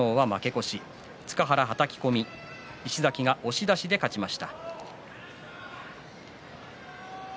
塚原、はたき込み石崎、押し出しで勝ちました。